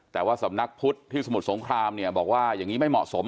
แต่ว่าสำนักพุทธที่สมุทรสงครามเนี่ยบอกว่าอย่างนี้ไม่เหมาะสม